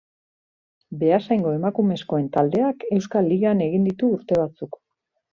Beasaingo emakumezkoen taldeak Euskal Ligan egin ditu urte batzuk.